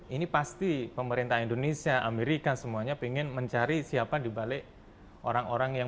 ini pasti pemerintah indonesia amerika semuanya ingin mencari siapa dibalik orang orang yang